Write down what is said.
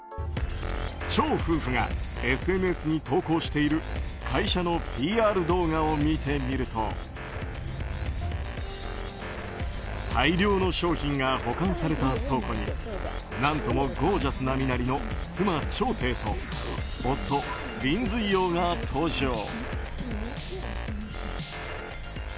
チョウ夫婦がＳＮＳに投稿している会社のＰＲ動画を見てみると大量の商品が保管された倉庫に何ともゴージャスな身なりの妻チョウ・テイと夫リン・ズイヨウが登場。